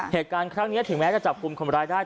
เหตุการณ์ครั้งนี้ถึงแม้จะจับกลุ่มคนร้ายได้